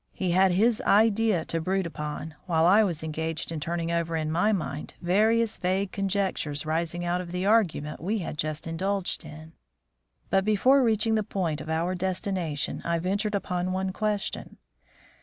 He had his "idea" to brood upon, while I was engaged in turning over in my mind various vague conjectures rising out of the argument we had just indulged in. But before reaching the point of our destination, I ventured upon one question.